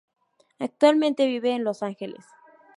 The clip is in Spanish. Actualmente vive en Los Angeles.